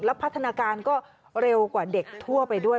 พัฒนาการก็เร็วกว่าเด็กทั่วไปด้วย